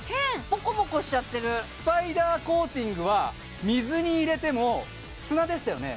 もこもこしちゃってるスパイダーコーティングは水に入れても砂でしたよね